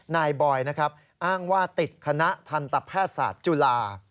นายบอยสกลอ้างว่าติดคณะทันตรภาษาจุฬา